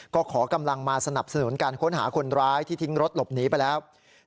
ก็ขอกำลังมาสนับสนุนการค้นหาคนร้ายที่ทิ้งรถหลบหนีไปแล้ว